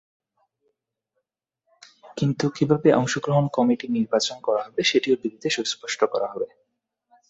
কিন্তু কীভাবে অংশগ্রহণ কমিটি নির্বাচন করা হবে, সেটিও বিধিতে সুস্পষ্ট করা হবে।